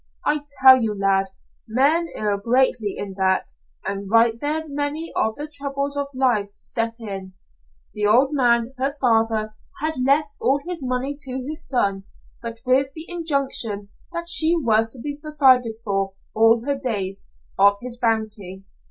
I tell you, lad, men err greatly in that, and right there many of the troubles of life step in. The old man, her father, had left all his money to his son, but with the injunction that she was to be provided for, all her days, of his bounty.